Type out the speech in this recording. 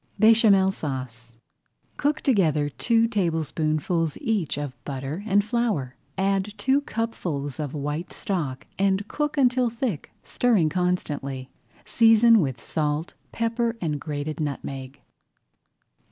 BÉCHAMEL SAUCE Cook together two tablespoonfuls each of butter and flour, add two cupfuls of white stock and cook until thick, stirring constantly. Season with salt, pepper, and grated nutmeg.